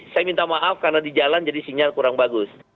saya minta maaf karena di jalan jadi sinyal kurang bagus